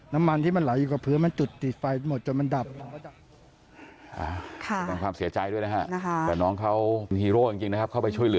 น้ำมันที่มันไหลอยู่กับพื้นมันจุดติดไฟหมดจนมันดับ